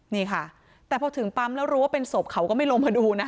นี่ค่ะแต่พอถึงปั๊มแล้วรู้ว่าเป็นศพเขาก็ไม่ลงมาดูนะคะ